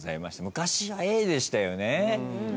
昔はＡでしたよね。